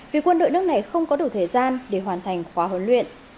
vì quân đội nước này không có đủ thời gian để hoàn thành khóa huấn luyện